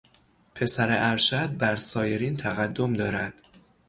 پسر ارشد بر سایرین تقدم دارد.